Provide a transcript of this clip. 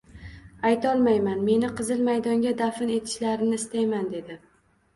Aytolmayman, meni Qizil maydonga dafn etishlarini istayman, dedi.